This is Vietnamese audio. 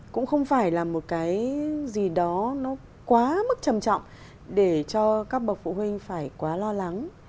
cũng không phải là một cái gì đó nó quá mức trầm trọng để cho các bậc phụ huynh phải quá lo lắng